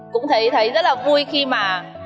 cũng thấy rất là vui khi mà